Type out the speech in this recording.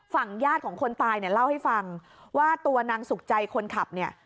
ญาติของคนตายเนี่ยเล่าให้ฟังว่าตัวนางสุขใจคนขับเนี่ย